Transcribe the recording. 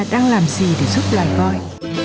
đang làm gì để giúp loài voi